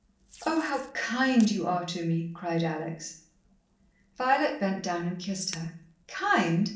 "Oh, how kind you are to me!" cried Alex. Violet bent down and kissed her. "Kind!